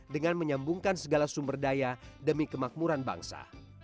dengan menyambungkan segala sumber daya demi kemakmuran bangsa